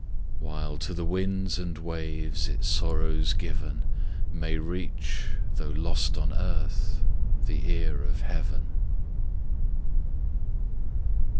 While to the winds and waves its sorrows given, May reach though lost on earth the ear of Heaven!